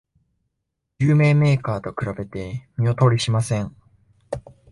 有名メーカーと比べて見劣りしません